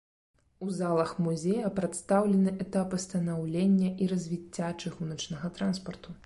У залах музея прадстаўлены этапы станаўлення і развіцця чыгуначнага транспарту.